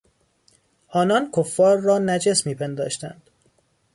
آنان کفار را نجس میپنداشتند.